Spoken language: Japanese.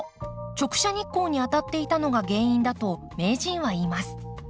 直射日光に当たっていたのが原因だと名人は言います。